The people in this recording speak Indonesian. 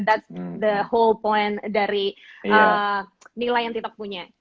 that's the whole point dari nilai yang tiktok punya